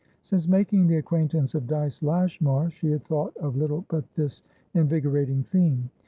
Since making the acquaintance of Dyce Lashmar, she had thought of little but this invigorating theme.